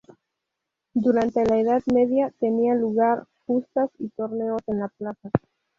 Durante la Edad Media tenían lugar justas y torneos en la plaza.